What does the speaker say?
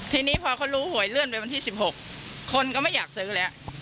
ทีนี้พอเขารู้หวยเลื่อนไปวันที่๑๖คนก็ไม่อยากซื้อแล้ว